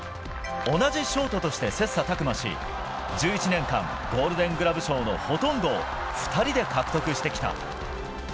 同じショートとして切磋琢磨し１１年間ゴールデングラブ賞のほとんどを２人で獲得してきた。